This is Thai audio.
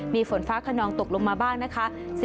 มีฝนฟ้าขนองตกลงมาบ้างนะคะ